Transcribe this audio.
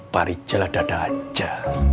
pak rijal ada ada aja